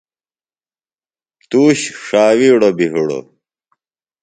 توش ݜاوِیڑوۡ بیۡ ہِڑوۡ۔